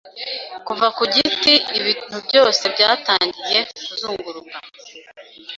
kuva ku giti ibintubyose byatangiye kuzunguruka